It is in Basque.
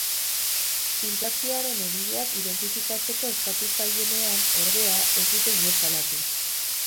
Filtrazioaren egileak identifikatzeko eskatu zaienean, ordea, ez dute inor salatu.